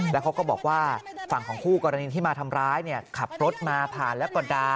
แล้วเขาก็บอกว่าฝั่งของคู่กรณีที่มาทำร้ายเนี่ยขับรถมาผ่านแล้วก็ด่า